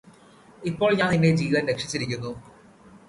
ഇപ്പോൾ ഞാന് നിന്റെ ജീവന് രക്ഷിച്ചിരിക്കുന്നു